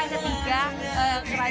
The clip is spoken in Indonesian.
kerajaan tersebut dengan beberapa festival